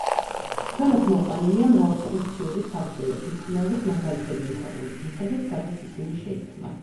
ქვემოთ მოყვანილია მრავალფუნქციური საბრძოლო თვითმფრინავების მაგალითები იმ ქვეყნების მიხედვით, სადაც ისინი შეიქმნა.